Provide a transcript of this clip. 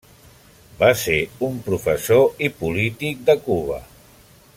Va ser un professor i polític de Cuba.